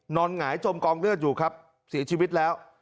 นอนหงายจมกองเลิศอยู่ครับสีชีวิตแล้ว